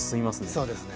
そうですね。